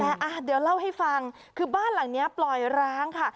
แต่เดี๋ยวเล่าให้ฟังคือบ้านหลังนี้ปล่อยร้างค่ะ